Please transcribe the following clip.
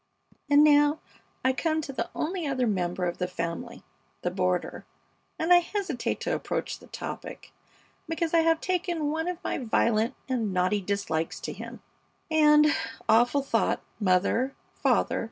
And now I come to the only other member of the family, the boarder, and I hesitate to approach the topic, because I have taken one of my violent and naughty dislikes to him, and awful thought mother! father!